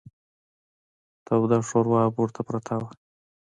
توده شوروا به ورته پرته وه.